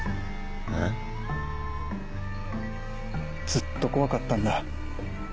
ずっと怖かったんだ。